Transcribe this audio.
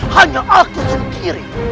hanya aku sendiri